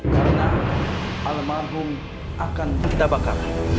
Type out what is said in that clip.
karena almarhum akan kita bakar